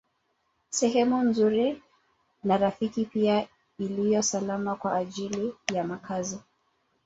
Sehemu nzuri na rafiki pia iliyo salama kwa ajili ya makazi